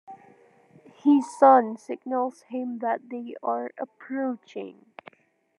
His son signals him that they are approaching.